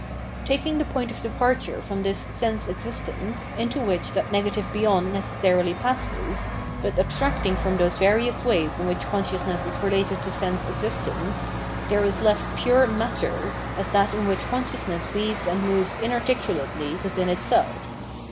Taking the point of departure from this sense existence, into which that negative beyond necessarily passes, but abstracting from those various ways in which consciousness is related to sense existence, there is left pure nwMer as that in which consciousness weaves and moves inarticulately within itself.